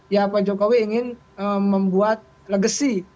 ya pak jokowi ingin membuat legacy